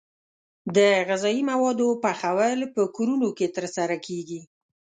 د غذايي موادو پخول په کورونو کې ترسره کیږي.